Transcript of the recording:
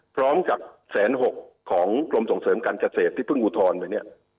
พร้อมกับ๑๐๖๐๐ของกรมส่งเสริมการเกษตรที่เพิ่งอุทรมาเนี่ย